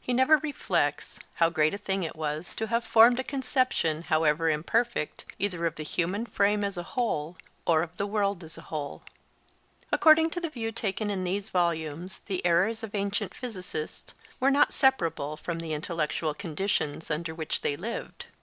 He never reflects, how great a thing it was to have formed a conception, however imperfect, either of the human frame as a whole, or of the world as a whole. According to the view taken in these volumes the errors of ancient physicists were not separable from the intellectual conditions under which they lived.